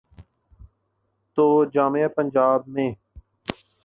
تو جامعہ پنجاب میں۔